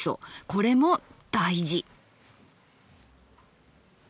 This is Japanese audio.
これも大事。